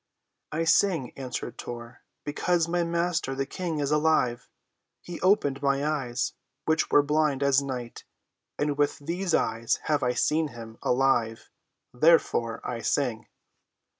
"I sing," answered Tor, "because my Master, the King, is alive. He opened my eyes, which were blind as night, and with these eyes have I seen him—alive! Therefore, I sing."